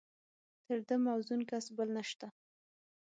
تر ده موزون کس بل نشته.